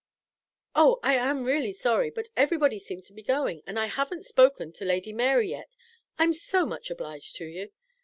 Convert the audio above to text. "Oh I am really sorry, but everybody seems to be going, and I haven't spoken to Lady Mary yet. I'm so much obliged to you."